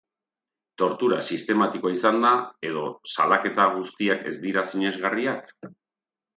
Tortura sistematikoa izan da edo salaketa guztiak ez dira sinesgarriak?